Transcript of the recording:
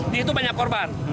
di situ banyak korban